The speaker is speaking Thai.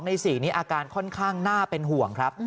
ใน๔นี้อาการค่อนข้างน่าเป็นห่วงครับ